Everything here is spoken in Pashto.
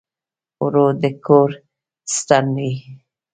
ورور د کور ستن وي.